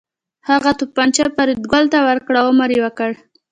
هغه توپانچه فریدګل ته ورکړه او امر یې وکړ